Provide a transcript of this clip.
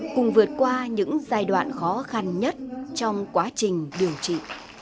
cùng vượt qua những giai đoạn khó khăn nhất trong quá trình điều trị